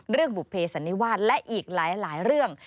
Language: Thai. เรื่องบุเภสันนิวาลและอีกหลายเรื่อง